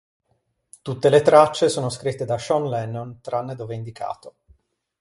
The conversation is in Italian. Tutte le tracce sono scritte da Sean Lennon tranne dove indicato.